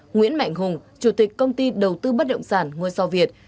nguyễn mạnh hùng chủ tịch công ty đầu tư bất động sản ngoài so việt